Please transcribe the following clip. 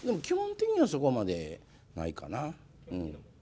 基本的にはそこまでないかな。